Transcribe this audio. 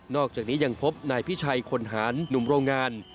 อกจากนี้ยังพบนายพิชัยคนหารหนุ่มโรงงาน